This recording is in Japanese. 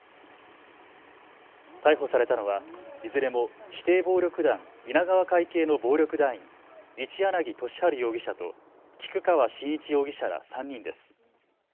逮捕されたのはいずれも指定暴力団稲川会系の暴力団員、一柳敏春容疑者と菊川伸一容疑者ら３人です。